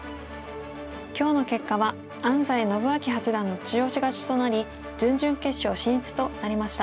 今日の結果は安斎伸彰八段の中押し勝ちとなり準々決勝進出となりました。